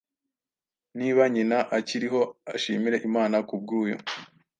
Niba nyina akirihoashimire Imana kubwuyu